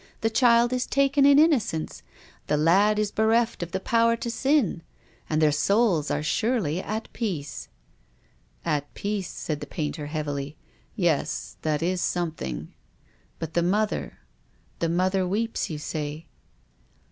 The child is taken in innocence. The lad is bereft of the power to sin. And their souls are surely at peace." "At peace," said the painter heavily. "Yes, that is something. But the mother — the mother weeps, you say."